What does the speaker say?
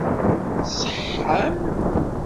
Tṣeḥḥam?